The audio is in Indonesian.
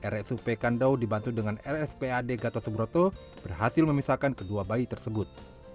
rsup kandau dibantu dengan rsp ad gatot soebroto berhasil memisahkan kedua bayi tersebut